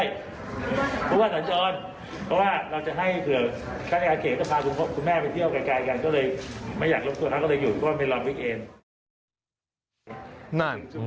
เพราะว่าเราจะให้เผื่อท่านอาเกษก็พาคุณแม่ไปเที่ยวไกลกัน